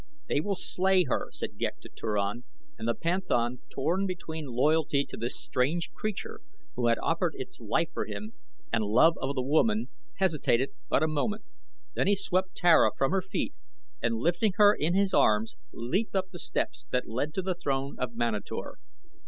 "They will slay her," said Ghek to Turan, and the panthan, torn between loyalty to this strange creature who had offered its life for him, and love of the woman, hesitated but a moment, then he swept Tara from her feet and lifting her in his arms leaped up the steps that led to the throne of Manator.